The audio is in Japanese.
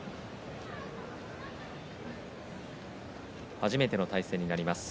初めての対戦になります